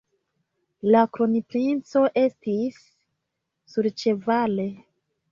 La kronprinco estis surĉevale.